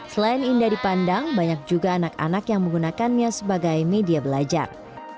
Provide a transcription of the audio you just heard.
selain indah dipandang banyak juga anak anak yang menggunakannya sebagai media belajar